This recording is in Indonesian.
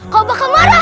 kau bakal marah